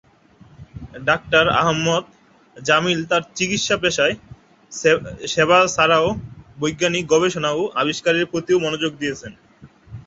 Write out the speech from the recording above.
Doctor Ahmed Jamil তার চিকিৎসাপেশায় সেবা ছাড়াও বৈজ্ঞানিক গবেষণা ও আবিষ্কারের প্রতিও মনোযোগ দিয়েছেন।